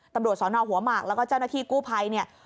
ตำรวจสนหัวหมักและเจ้าหน้าที่กู้ภัย